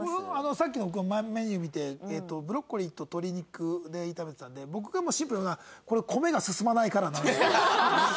さっきのメニュー見てえっとブロッコリーと鶏肉で炒めてたんで僕がシンプルに言うのは「これ米が進まないから７０点」です。